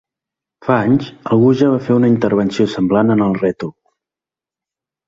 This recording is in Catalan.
Fa anys, algú ja va fer una intervenció semblant en el rètol.